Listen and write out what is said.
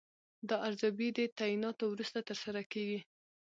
دا ارزیابي د تعیناتو وروسته ترسره کیږي.